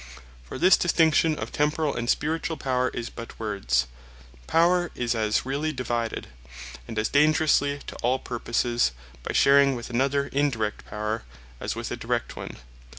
For this distinction of Temporall, and Spirituall Power is but words. Power is as really divided, and as dangerously to all purposes, by sharing with another Indirect Power, as with a Direct one.